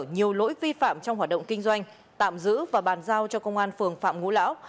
nhiều lỗi vi phạm trong hoạt động kinh doanh tạm giữ và bàn giao cho công an phường phạm ngũ lão